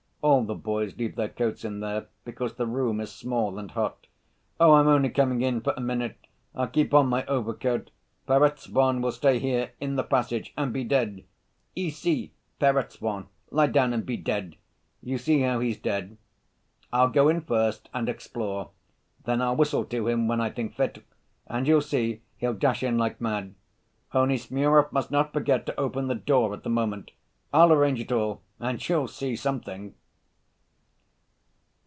All the boys leave their coats in there, because the room is small and hot." "Oh, I'm only coming in for a minute. I'll keep on my overcoat. Perezvon will stay here in the passage and be dead. Ici, Perezvon, lie down and be dead! You see how he's dead. I'll go in first and explore, then I'll whistle to him when I think fit, and you'll see, he'll dash in like mad. Only Smurov must not forget to open the door at the moment. I'll arrange it all and you'll see something."